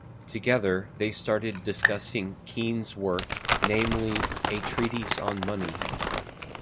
Together they started discussing Keynes' work namely the "A Treatise on Money".